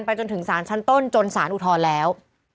จนถึงสารชั้นต้นจนสารอุทธรณ์แล้ว